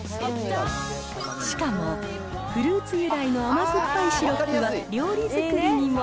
しかもフルーツ由来の甘酸っぱいシロップは料理作りにも。